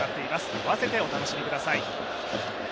併せて楽しみください。